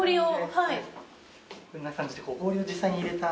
はい。